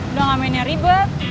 udah ngamennya ribet